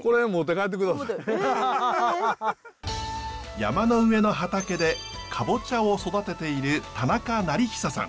山の上の畑でカボチャを育てている田中成久さん。